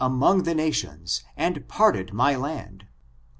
143 among the nations, and parted my land.